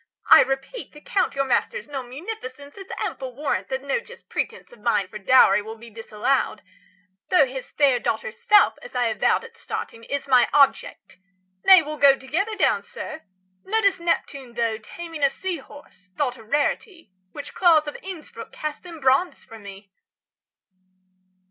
I repeat, The Count your master's known munificence Is ample warrant that no just pretence 50 Of mine for dowry will be disallowed; Though his fair daughter's self, as I avowed At starting, is my object. Nay, we'll go Together down, sir. Notice Neptune, though, Taming a sea horse, thought a rarity, Which Claus of Innsbruck° cast in bronze for me!